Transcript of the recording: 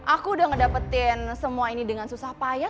aku udah ngedapetin semua ini dengan susah payah